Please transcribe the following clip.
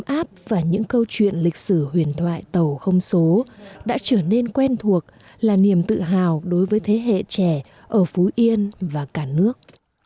áp và những câu chuyện lịch sử huyền thoại tàu không số đã trở nên quen thuộc là niềm tự hào đối với thế hệ trẻ ở phú yên và cả nước